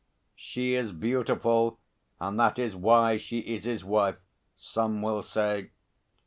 'She is beautiful, and that is why she is his wife,' some will say.